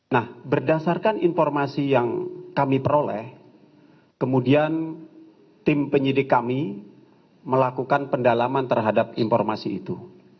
nah berdasarkan informasi yang kami peroleh kemudian tim penyidik kami melakukan pendalaman terhadap informasi itu